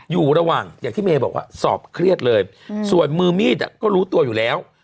อยู่ระหว่างอย่างที่เมย์บอกว่าสอบเครียดเลยส่วนมือมีดก็รู้ตัวอยู่แล้ว